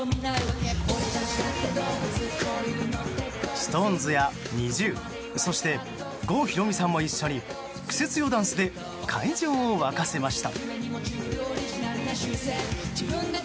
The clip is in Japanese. ＳｉｘＴＯＮＥＳやＮｉｚｉＵそして、郷ひろみさんも一緒に癖強ダンスで会場を沸かせました。